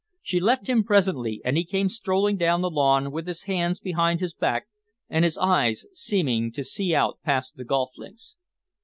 She left him presently, and he came strolling down the lawn with his hands behind his back and his eyes seeming to see out past the golf links.